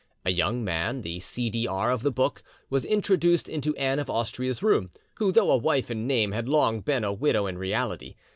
A young man, the C. D. R. of the book, was introduced into Anne of Austria's room, who though a wife in name had long been a widow in reality.